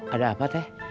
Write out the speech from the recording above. ada apa teh